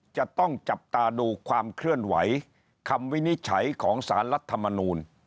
จะต้องจับตาดูความเคลื่อนไหวคำวินิจฉัยของสารรัฐมนูล